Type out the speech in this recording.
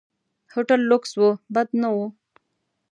هوټل لکس و، بد نه و.